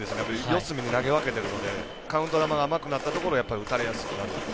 四隅に投げ分けているのでカウント球が甘くなったときやっぱり打たれやすくなる